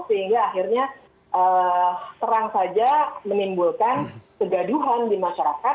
sehingga akhirnya serang saja menimbulkan segaduhan di masyarakat